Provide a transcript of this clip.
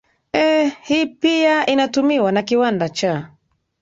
ee hii pia inatumiwa na kiwanda cha